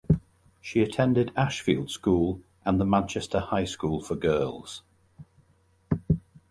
She attended Ashfield School and the Manchester High School for Girls.